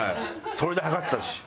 それで測ってたし。